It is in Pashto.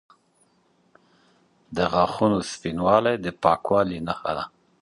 د غاښونو سپینوالی د پاکوالي نښه ده.